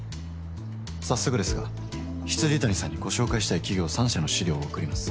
早速ですが未谷さんにご紹介したい企業三社の資料を送ります」。